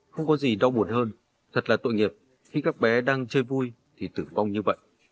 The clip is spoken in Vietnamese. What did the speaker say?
không có gì đau buồn hơn thật là tội nghiệp khi các bé đang chơi vui thì tử vong như vậy